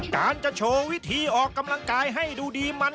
การจะโชว์วิธีออกกำลังกายให้ดูดีมัน